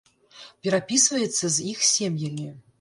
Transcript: Перапісваецца з іх сем'ямі.